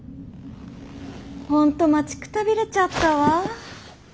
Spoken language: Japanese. ホント待ちくたびれちゃったわ。